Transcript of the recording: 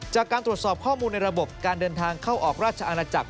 จากการตรวจสอบข้อมูลในระบบการเดินทางเข้าออกราชอาณาจักร